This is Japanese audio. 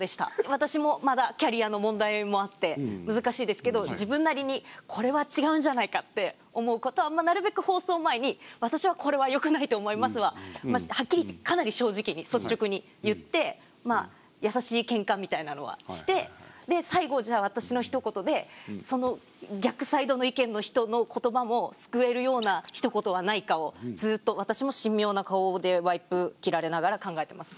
私もまだキャリアの問題もあって難しいですけど自分なりにこれは違うんじゃないかって思うことはなるべく放送前に「私はこれはよくないと思います」ははっきり言ってかなり正直に率直に言って優しいケンカみたいなのはして最後じゃあ私のひと言でその逆サイドの意見の人の言葉もすくえるようなひと言はないかをずっと私も神妙な顔でワイプ切られながら考えてます。